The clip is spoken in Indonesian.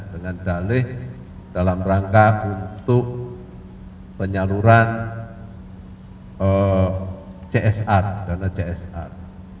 dengan dalih dalam rangka untuk penyaluran csr dana csr